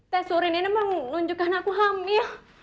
tesur ini emang nunjukkan aku hamil